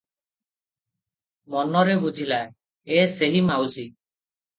ମନରେ ବୁଝିଲା, ଏ ସେହି ମାଉସୀ ।